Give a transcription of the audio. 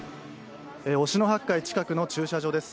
忍野八海近くの駐車場です。